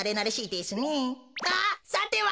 あっさては。